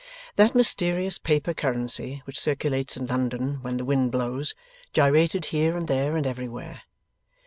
That mysterious paper currency which circulates in London when the wind blows, gyrated here and there and everywhere.